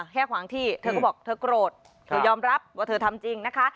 แค่ขวางที่เธอก็บอกเธอโกรธเธอยอมรับว่าเธอทำจริงนะคะ